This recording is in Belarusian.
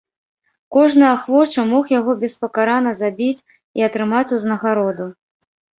Кожны ахвочы мог яго беспакарана забіць і атрымаць узнагароду.